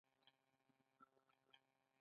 هر کاري اجراات چې کارکوونکي ته سپارل کیږي.